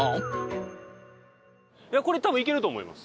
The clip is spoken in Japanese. これ多分いけると思います。